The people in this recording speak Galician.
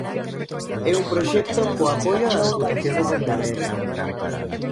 É un proxecto co apoio da Deputación de Pontevedra.